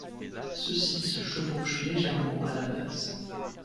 Ceux-ci se chevauchent légèrement à la base.